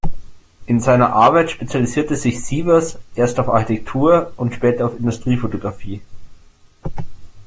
In seiner Arbeit spezialisierte sich Sievers erst auf Architektur- und später auf Industriefotografie.